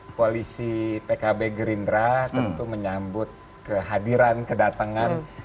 koalisi pkb gerindra tentu menyambut kehadiran kedatangan